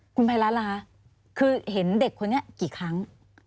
คุณภัยรัฐล่ะคะคือเห็นเด็กคนนี้กี่ครั้ง